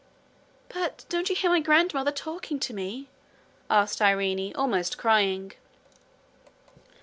'But don't you hear my grandmother talking to me?' asked Irene, almost crying.